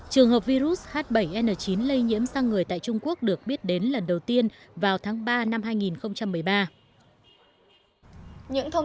trường hợp virus h bảy n chín lây nhiễm sang người tại trung quốc được biết đến lần đầu tiên vào tháng ba năm hai nghìn một mươi ba